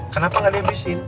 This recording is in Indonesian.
kenapa nggak dihabisin